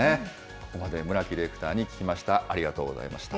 ここまで村木ディレクターに聞きました。